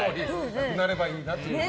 なくなればいいなと。